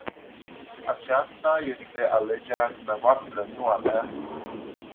Aceasta este alegerea dumneavoastră, nu a mea.